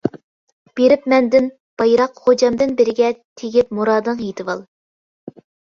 بېرىپ مەندىن بايراق غوجامدىن بىرىگە تېگىپ مۇرادىڭغا يېتىۋال.